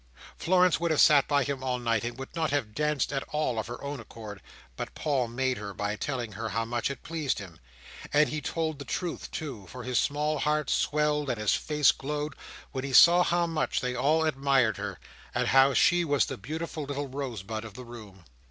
Florence would have sat by him all night, and would not have danced at all of her own accord, but Paul made her, by telling her how much it pleased him. And he told her the truth, too; for his small heart swelled, and his face glowed, when he saw how much they all admired her, and how she was the beautiful little rosebud of the room.